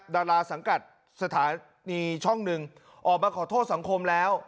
ดาราสังกัดสถานีช่องหนึ่งออกมาขอโทษสังคมแล้ว